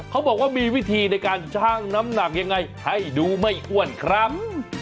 เขาบอกว่ามีวิธีในการชั่งน้ำหนักยังไงให้ดูไม่อ้วนครับ